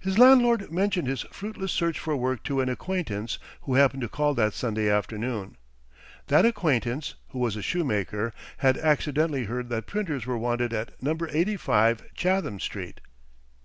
His landlord mentioned his fruitless search for work to an acquaintance who happened to call that Sunday afternoon. That acquaintance, who was a shoemaker, had accidentally heard that printers were wanted at No. 85 Chatham Street.